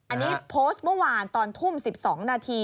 อันนี้โพสต์เมื่อวานตอนทุ่ม๑๒นาที